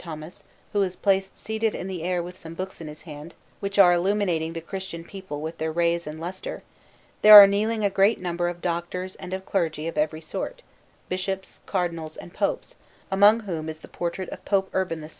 Thomas, who is placed seated in the air with some books in his hand, which are illuminating the Christian people with their rays and lustre, there are kneeling a great number of doctors and clergy of every sort, Bishops, Cardinals, and Popes, among whom is the portrait of Pope Urban VI.